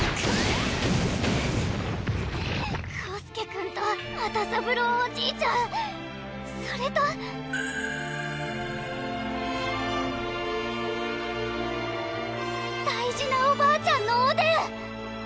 宏輔くんと又三郎おじいちゃんそれと大事なおばあちゃんのおでん